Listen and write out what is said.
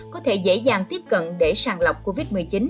có thể dễ dàng tiếp cận để sàng lọc covid một mươi chín